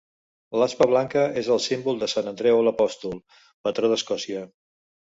L'aspa blanca és el símbol de Sant Andreu l'Apòstol, patró d'Escòcia.